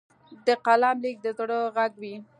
د قلم لیک د زړه غږ وي.